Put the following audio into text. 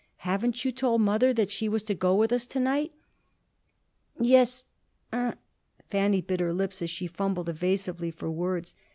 Haven't you told mother that she was to go with us to night?" "Yes I " Fanny bit her lips as she fumbled evasively for words.